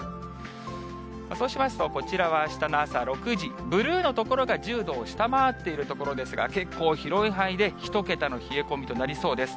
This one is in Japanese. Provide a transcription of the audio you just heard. そうしますと、こちらはあしたの朝６時、ブルーの所が１０度を下回っている所ですが、結構広い範囲で１桁の冷え込みとなりそうです。